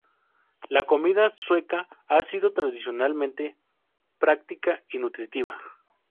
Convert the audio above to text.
La comida sueca ha sido tradicionalmente práctica y nutritiva.